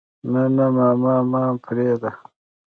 نه نه ماما ما پرېده.